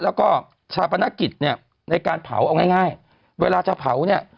แล้วก็ชาปนกิจเนี่ยในการเผาเอาง่ายเวลาจะเผาเนี่ย